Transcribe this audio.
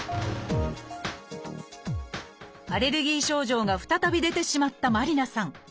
アレルギー症状が再び出てしまった麻里凪さん。